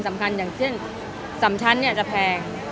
อย่างเช่น๓ชั้นจะแพง